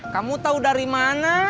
kamu tau dari mana